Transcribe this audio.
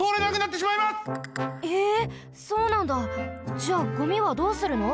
じゃあゴミはどうするの？